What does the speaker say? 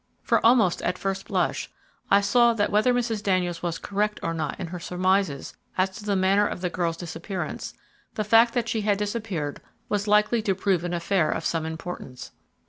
For almost at first blush, I saw that whether Mrs. Daniels was correct or not in her surmises as to the manner of the girl's disappearance, the fact that she had disappeared was likely to prove an affair of some importance.